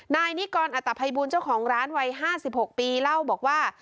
นายนิกรอัตภัยบูลเจ้าของร้านวัย๕๖ปีเล่าบอกว่า